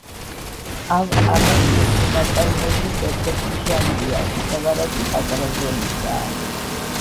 ავ-არაკი ნაწარმოების ერთ-ერთი ჟანრია. იგავ-არაკი პატარა ზომისაა.